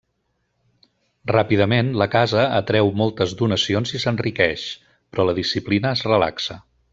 Ràpidament, la casa atreu moltes donacions i s'enriqueix, però la disciplina es relaxa.